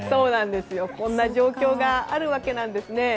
こんな状況がある訳なんですね。